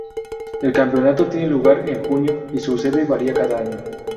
El campeonato tiene lugar en junio y su sede varía cada año.